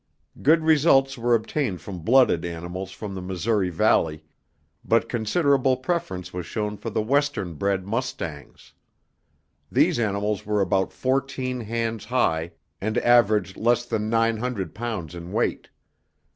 Good results were obtained from blooded animals from the Missouri Valley, but considerable preference was shown for the western bred mustangs. These animals were about fourteen hands high and averaged less than nine hundred pounds in weight.